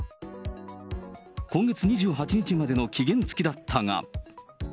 今月２８日までの期限付きだったが。